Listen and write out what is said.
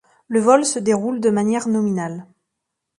Le vol se déroule de manière nominale.